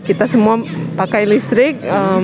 kita semua pakai listrik